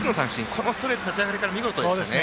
このストレート、立ち上がりから見事でしたね。